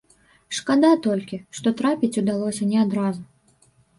Шкада толькі, што трапіць удалося не адразу.